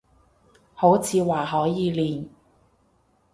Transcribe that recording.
好似話可以練